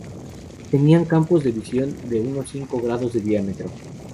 Tenían campos de visión de unos cinco grados de diámetro.